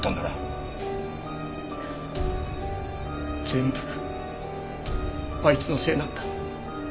全部あいつのせいなんだ。